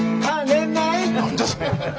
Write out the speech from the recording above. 何だそれ！